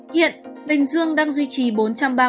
hiện bình dương đang duy trì bốn trăm linh ca